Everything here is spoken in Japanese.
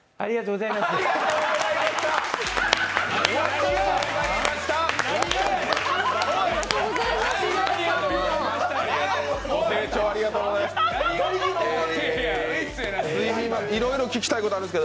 ご清聴ありがとうございます。